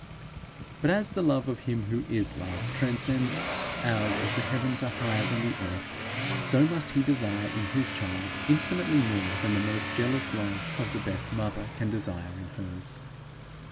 But as the love of him who is love, transcends ours as the heavens are higher than the earth, so must he desire in his child infinitely more than the most jealous love of the best mother can desire in hers.